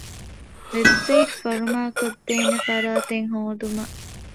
ވެބްސައިޓު ފަރުމާކޮށްދޭނެ ފަރާތެއް ހޯދުމަށް